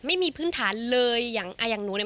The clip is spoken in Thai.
ไม่มีพื้นฐานเลยอย่างอ่าอย่างหนูเนี่ย